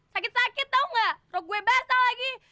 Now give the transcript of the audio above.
sakit sakit tau gak rok gue basah lagi